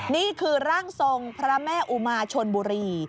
นี่คือร่างทรงพระแม่อุมาชนบุรี